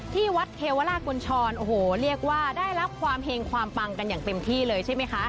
ที่วัดเทวลากุญชรโอ้โหเรียกว่าได้รับความเฮงความปังกันอย่างเต็มที่เลยใช่ไหมคะ